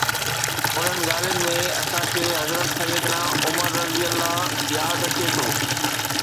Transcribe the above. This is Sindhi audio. انهن ڳالهين ۾ اسان کي حضرت سيدنا عمر رضه ياد اچي ٿو.